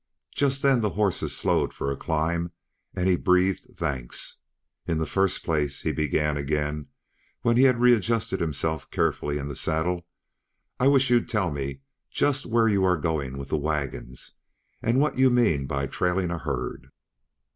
Just then the horses slowed for a climb, and he breathed thanks. "In the first place," he began again when he had readjusted himself carefully in the saddle, "I wish you'd tell me just where you are going with the wagons, and what you mean by trailing a herd."